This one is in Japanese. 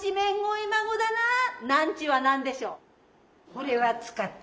ほれは使った。